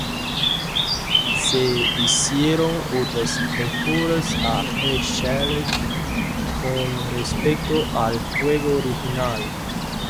Se hicieron otras mejoras a "Re-Shelled" con respecto al juego original.